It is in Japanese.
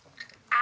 あ！